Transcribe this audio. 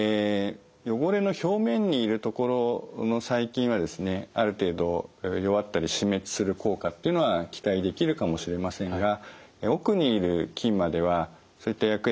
汚れの表面にいるところの細菌はある程度弱ったり死滅する効果っていうのは期待できるかもしれませんが奥にいる菌まではそういった薬液は届かないんですね。